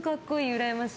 うらやましい。